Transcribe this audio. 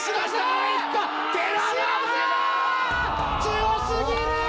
強すぎるー！